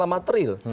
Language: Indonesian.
ini masalah materil